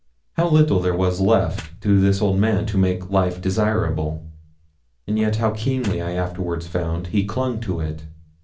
How little was there left to this old man to make life desirable, and yet how keenly, I afterwards found, he clung to it.